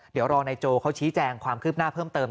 เดี๋ยวรอนายโจเขาชี้แจงความคืบหน้าเพิ่มเติม